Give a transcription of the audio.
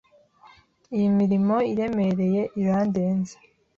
Iyi mirimo iremereye irandenze.